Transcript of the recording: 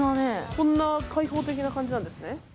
こんな開放的な感じなんですね。